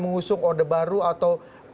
mengusung orde baru atau